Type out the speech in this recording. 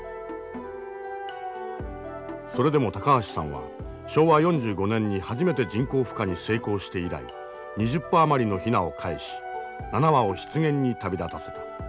それでも高橋さんは昭和４５年に初めて人工孵化に成功して以来２０羽余りのヒナをかえし７羽を湿原に旅立たせた。